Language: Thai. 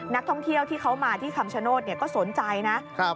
นักท่องเที่ยวที่เขามาที่คำชโนธก็สนใจนะครับ